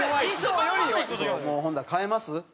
もうほんなら変えます？